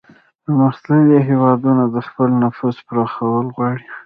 پرمختللي هیوادونه د خپل نفوذ پراخول غواړي